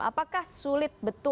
apakah sulit betul